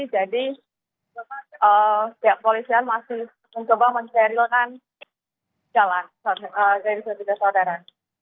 jadi polisian masih mencoba mencerilkan jalan dari sudutnya saudara